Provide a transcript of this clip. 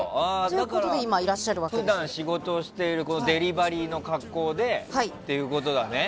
普段仕事をしているデリバリーの格好でということだね。